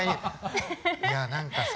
いや何かさ